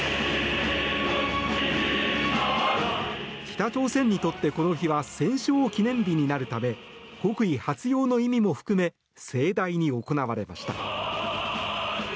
北朝鮮にとってこの日は戦勝記念日になるため国威発揚の意味も含め盛大に行われました。